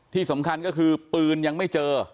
ที่สำคัญก็คือปืนยังไม่เจอ